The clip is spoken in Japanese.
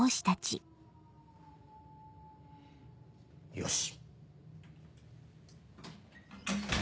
よし。